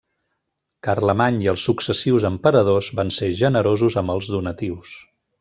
Carlemany i els successius emperadors van ser generosos amb els donatius.